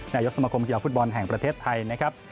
นายกสมคมกีฬาฟุตบอลแห่งประเทศไทยนะครับ